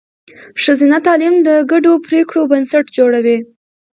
ښځینه تعلیم د ګډو پرېکړو بنسټ جوړوي.